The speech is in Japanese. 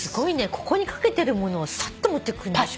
ここに掛けてるものをさっと持っていくんでしょ？